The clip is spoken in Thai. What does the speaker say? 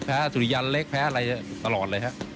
แพ้สุริยันเล็กแพ้อะไรตลอดเลยครับ